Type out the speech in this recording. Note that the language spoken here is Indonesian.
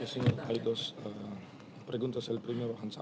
jika mereka diberi tarjeta